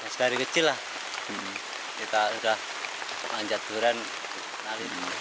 segar kecil lah kita sudah menjatuhkan durian